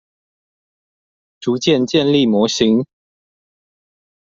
逐漸建立模型